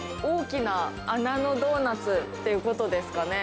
大きな穴のドーナツということですかね？